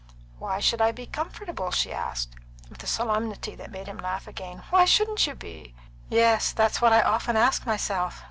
"Why should I be comfortable?" she asked, with a solemnity that made him laugh again. "Why shouldn't you be?" "Yes, that's what I often ask myself.